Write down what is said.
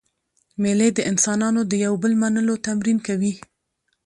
مېلې د انسانانو د یو بل منلو تمرین کوي.